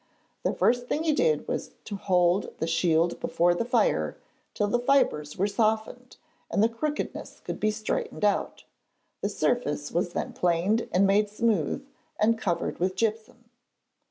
The first thing he did was to hold the shield before the fire till the fibres were softened and the crookedness could be straightened out. The surface was then planed and made smooth, and covered with gypsum.